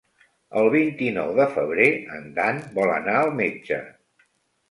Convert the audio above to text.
El vint-i-nou de febrer en Dan vol anar al metge.